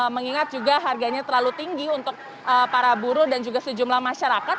mengingat juga harganya terlalu tinggi untuk para buruh dan juga sejumlah masyarakat